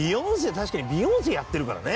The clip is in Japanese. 確かにビヨンセやってるからね。